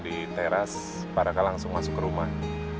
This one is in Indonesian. di teras pak raka langsung masuk ke rumah